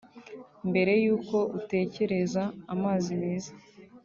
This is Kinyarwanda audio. Mbere y’uko utekereza amazi meza